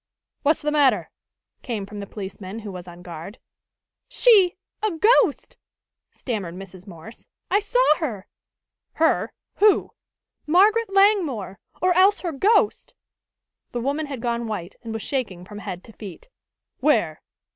"What's the matter?" came from the policeman who was on guard. "She a ghost!" stammered Mrs. Morse. "I saw her!" "Her? Who?" "Margaret Langmore! Or else her ghost!" The woman had gone white, and was shaking from head to feet. "Where?"